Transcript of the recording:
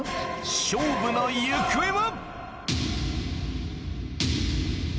勝負の行方は！